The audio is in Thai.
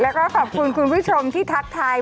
แล้วก็ขอบคุณคุณผู้ชมที่ทักทาย